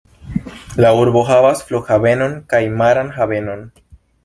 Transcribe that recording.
La urbo havas flughavenon kaj maran havenon.